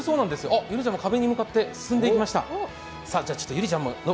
あっ、優莉ちゃんも壁に向かって進んでいきました。